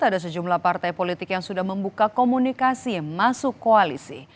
ada sejumlah partai politik yang sudah membuka komunikasi masuk koalisi